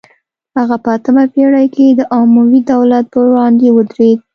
هغه په اتمه پیړۍ کې د اموي دولت پر وړاندې ودرید